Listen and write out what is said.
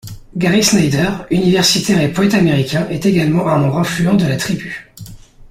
Gary Snyder, universitaire et poète américain est également un membre influent de la tribu.